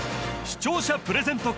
視聴者プレゼント